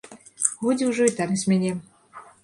Годзе ўжо і так з мяне.